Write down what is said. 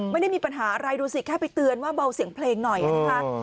ไม่ได้มีปัญหาอะไรดูสิแค่ไปเตือนว่าเบาเสียงเพลงหน่อยนะคะ